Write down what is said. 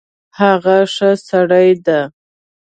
هغه ښه سړی ده